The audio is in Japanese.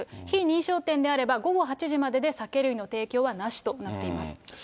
非認証店であれば、午後８時までで酒類の提供はなしとなっています。